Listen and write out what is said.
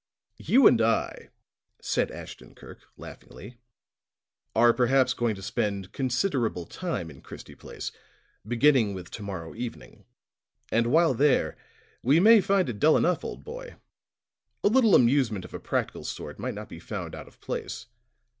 "You and I," said Ashton Kirk, laughingly, "are perhaps going to spend considerable time in Christie Place, beginning with to morrow evening. And while there we may find it dull enough, old boy; a little amusement of a practical sort might not be found out of place.